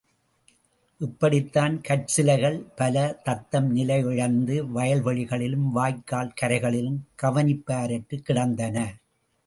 இப்படித்தான் கற்சிலைகள் பல தத்தம் நிலை இழந்து வயல்வெளிகளிலும், வாய்க்கால் கரைகளிலும் கவனிப்பாரற்றுக் கிடந்தன.